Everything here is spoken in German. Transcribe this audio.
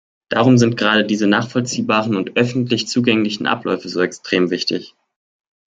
Darum sind gerade diese nachvollziehbaren und öffentlich zugänglichen Abläufe so extrem wichtig.